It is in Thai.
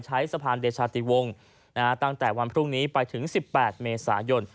ใช้สะพานเดชาติวงตั้งแต่วันพรุ่งนี้ไปถึง๑๘เมษายน